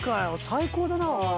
最高だな。